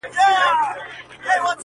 کله ټال کي د خیالونو زنګېدلای.!